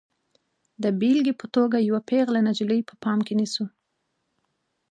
د بېلګې په توګه یوه پیغله نجلۍ په پام کې نیسو.